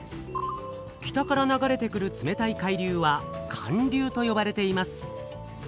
北から流れてくる冷たい海流は「寒流」とよばれています。